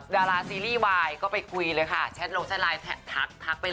ดาราซีรีส์วายก็ไปคุยเลยค่ะแชทลงแชทไลน์ทักทักไปเลย